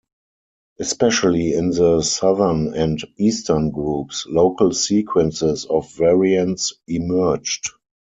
Especially in the southern and eastern groups, local sequences of variants emerged.